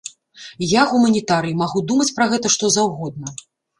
Я, гуманітарый, магу думаць пра гэта што заўгодна.